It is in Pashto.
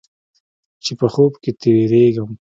چې په خوب کې تې وېرېږم.